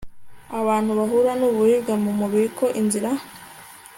abantu bahura nuburibwe mu mubiri ko inzira yo